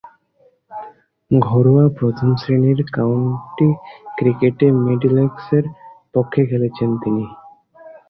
ঘরোয়া প্রথম-শ্রেণীর কাউন্টি ক্রিকেটে মিডলসেক্সের পক্ষে খেলেছেন তিনি।